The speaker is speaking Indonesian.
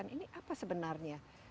ini apa sebenarnya